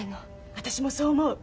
私もそう思う。